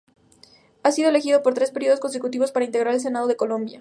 Ha sido elegido por tres periodos consecutivos para integrar el Senado de Colombia.